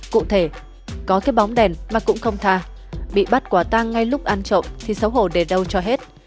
cụ thể có cái bóng đèn mà cũng không tha bị bắt quả tang ngay lúc ăn trậu thì xấu hổ để đâu cho hết